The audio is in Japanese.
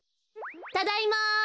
ただいま。